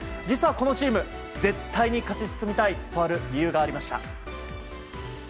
実は、このチーム絶対に勝ち進みたいとある理由がありました。